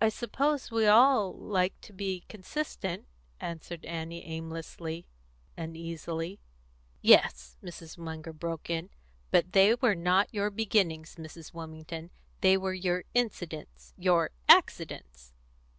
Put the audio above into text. "I suppose we all like to be consistent," answered Annie aimlessly, uneasily. "Yes," Mrs. Munger broke in; "but they were not your beginnings, Mrs. Wilmington; they were your incidents your accidents."